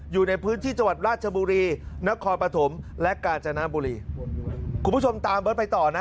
อยู่ในพื้นที่จังหวัดราชบุรีนครปฐมและกาญจนบุรีคุณผู้ชมตามเบิร์ตไปต่อนะ